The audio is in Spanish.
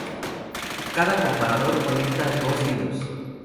Cada comparador conecta dos hilos.